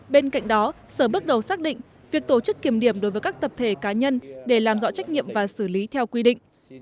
bên cạnh đó sở bước đầu xác định việc tổ chức kiểm điểm đối với các tập thể cá nhân để làm rõ trách nhiệm và xử lý theo quy định